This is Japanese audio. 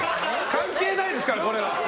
関係ないですから、これは。